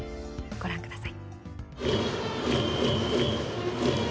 ご覧ください。